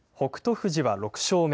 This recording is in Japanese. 富士は６勝目。